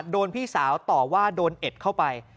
พี่สาวต่อว่าโดนเอ็ดเข้าไป